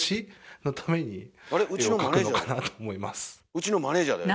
ウチのマネージャーだよ